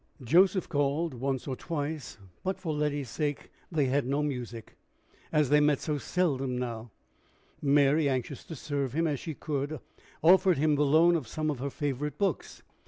Joseph called once or twice, but, for Letty's sake, they had no music. As they met so seldom now, Mary, anxious to serve him as she could, offered him the loan of some of her favorite books.